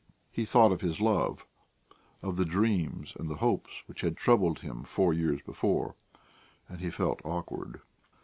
He thought of his love, of the dreams and the hopes which had troubled him four years before and he felt awkward.